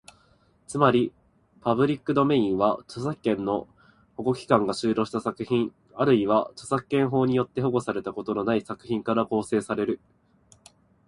つまり、パブリックドメインは、著作権の保護期間が終了した作品、あるいは著作権法によって保護されたことのない作品から構成される。